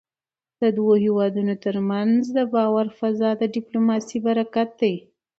د دوو هېوادونو ترمنځ د باور فضا د ډيپلوماسی برکت دی .